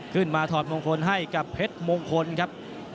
ขึ้นมาถอนมงคลให้กับเพชรมงคลครับ